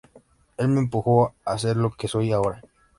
Él me empujó a ser lo que soy ahora.